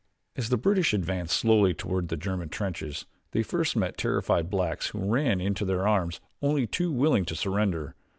As the British advanced slowly toward the German trenches, they first met terrified blacks who ran into their arms only too willing to surrender.